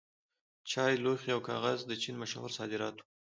چای، لوښي او کاغذ د چین مشهور صادرات وو.